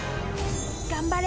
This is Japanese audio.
頑張れ！